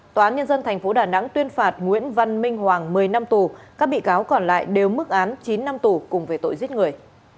tòa án nhân dân tp đà nẵng tuyên phạt nguyễn văn minh hoàng một mươi năm tù các bị cáo còn lại đều mức án chín năm tù cùng về tội giết người